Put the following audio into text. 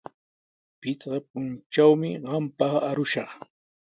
Pichqa puntrawmi qampaq arushaq.